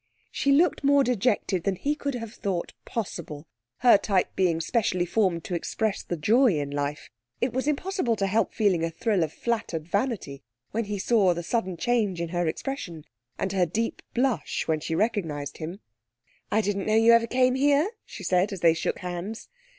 She looked more dejected than he could have thought possible, her type being specially formed to express the joy of life. It was impossible to help feeling a thrill of flattered vanity when he saw the sudden change in her expression and her deep blush when she recognised him. 'I didn't know you ever came here,' she said, as they shook hands.